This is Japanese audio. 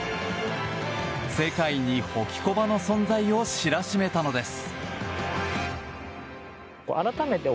世界にホキコバの存在を知らしめたのです。